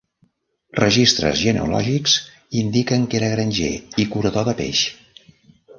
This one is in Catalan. Registres genealògics indiquen que era granger i curador de peix.